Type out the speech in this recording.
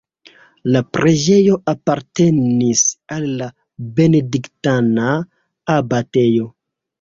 La preĝejo apartenis al la benediktana abatejo.